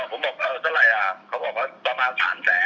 ผมบอกเออเท่าไหร่อ่ะเขาบอกว่าประมาณ๓แสน